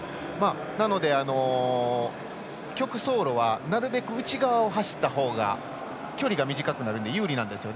なので、曲走路はなるべく内側を走ったほうが距離が短くなるので有利なんです。